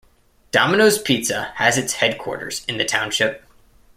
Domino's Pizza has its headquarters in the township.